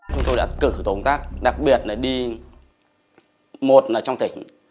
chúng tôi đã cử tổng tác đặc biệt là đi một là trong tỉnh